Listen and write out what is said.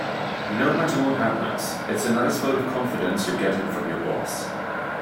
No matter what happens, it's a nice vote of confidence you're getting from your boss.